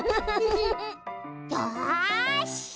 よし！